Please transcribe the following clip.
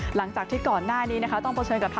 หลังจากที่ก่อนหน้านี้ต้องประเฉินกับ